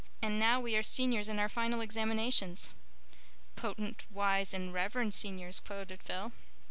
And now we are Seniors in our final examinations." "'Potent, wise, and reverend Seniors,'" quoted Phil.